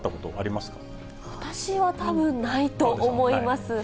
私はたぶんないと思います。